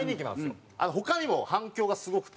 他にも反響がすごくて。